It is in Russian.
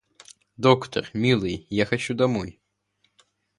— Доктор, милый, я хочу домой.